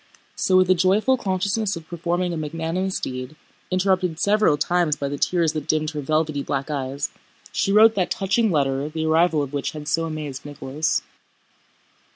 So with a joyful consciousness of performing a magnanimous deed—interrupted several times by the tears that dimmed her velvety black eyes—she wrote that touching letter the arrival of which had so amazed Nicholas.